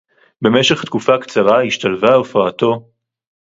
בְּמֶשֶׁךְ תְּקוּפָה קְצָרָה הִשְׁתַּלְּבָה הוֹפָעָתוֹ